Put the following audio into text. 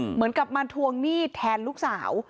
เหมือนกับมาทวงหนี้แทนลูกสาว